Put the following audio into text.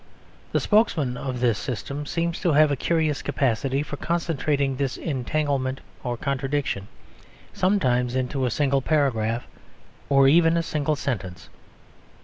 The spokesmen of this system seem to have a curious capacity for concentrating this entanglement or contradiction, sometimes into a single paragraph, or even a single sentence.